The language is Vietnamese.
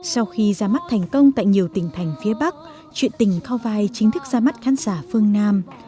sau khi ra mắt thành công tại nhiều tỉnh thành phía bắc chuyện tình co vai chính thức ra mắt khán giả phương nam